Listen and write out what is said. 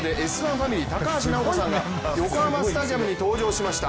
ファミリー高橋尚子さんが横浜スタジアムに登場しました。